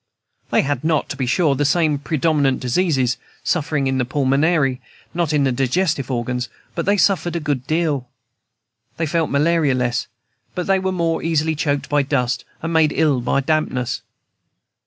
They had not, to be sure, the same predominant diseases, suffering in the pulmonary, not in the digestive organs; but they suffered a good deal. They felt malaria less, but they were more easily choked by dust and made ill by dampness.